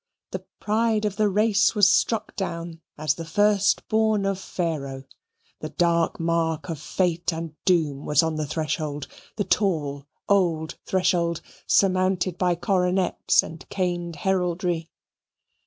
The pride of the race was struck down as the first born of Pharaoh. The dark mark of fate and doom was on the threshold the tall old threshold surmounted by coronets and caned heraldry.